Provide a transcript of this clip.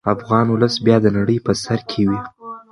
افغان ولس به بیا د نړۍ په سر کې وي.